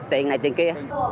tiền này tiền kia